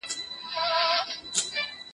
رسېدلی د لېوه په ځان بلاوو